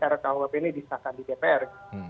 rkuhp ini disahkan di dpr